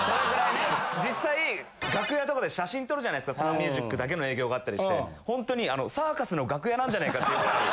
実際楽屋とかで写真撮るじゃないですかサンミュージックだけの営業があったりしてほんとにサーカスの楽屋なんじゃないかっていうぐらい。